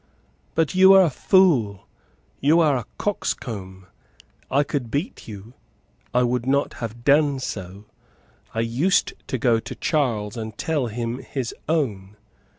But you are a fool; you are a coxcomb; I could beat you; I would not have done so. I used to go to Charles and tell him his own.